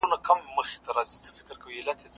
په ښو کارونو امر کول د ايمان ښکلې نښه ده.